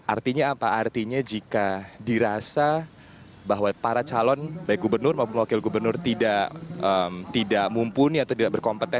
artinya apa artinya jika dirasa bahwa para calon baik gubernur maupun wakil gubernur tidak mumpuni atau tidak berkompetensi